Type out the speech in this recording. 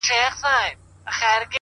لا به په تا پسي ژړېږمه زه,